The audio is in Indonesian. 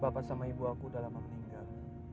bapak sama ibu aku udah lama meninggal